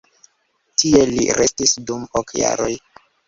Tie li restis dum ok jaroj.